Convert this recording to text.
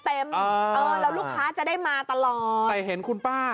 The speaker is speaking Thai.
เออแล้วลูกค้าจะได้มาตลอด